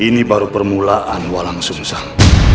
ini baru permulaan walang sungsang